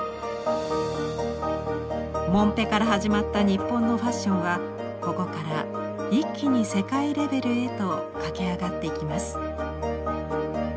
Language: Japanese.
もんぺから始まった日本のファッションはここから一気に世界レベルへと駆け上がっていきます。